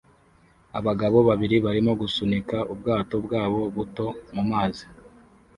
Abagabo babiri barimo gusunika ubwato bwabo buto mu mazi